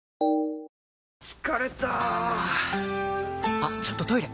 あっちょっとトイレ！